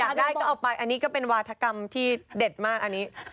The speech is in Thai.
อยากได้ก็เอาไปอันนี้ก็เป็นวาธกรรมที่เด็ดมากอันนี้